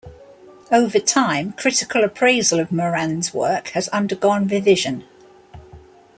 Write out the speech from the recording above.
Over time, critical appraisal of Morand's work has undergone revision.